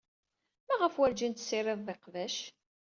Maɣef werjin tessirided iqbac?